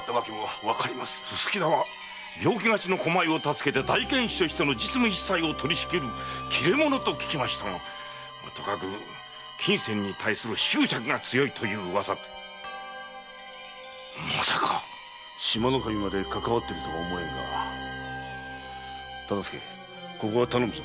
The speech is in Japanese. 薄田は病気がちの駒井を助けて大検使としての実務一切を取り仕切る切れ者と聞きましたがとかく金銭に対する執着が強いという噂もまさか⁉志摩守までかかわっているとは思えんが忠相ここは頼むぞ。